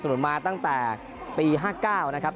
นุนมาตั้งแต่ปี๕๙นะครับ